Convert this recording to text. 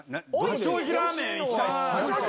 八王子ラーメン行きたいっす。